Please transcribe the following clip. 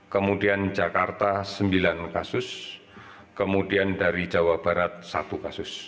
kemudian jakarta sembilan kasus kemudian dari jawa barat satu kasus